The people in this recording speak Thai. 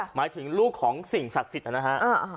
หมายถึงลูกของสิ่งศักดิ์สิทธิ์นะฮะ